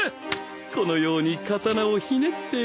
このように刀をひねっていただくと。